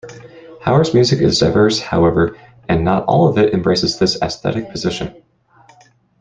Hauer's music is diverse, however, and not all of it embraces this aesthetic position.